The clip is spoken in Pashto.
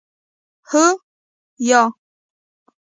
هو 👍 یا 👎